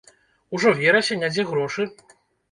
Ужо верасень, а дзе грошы?